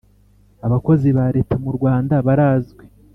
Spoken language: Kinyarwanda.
abakozi ba Leta murwanda barazwi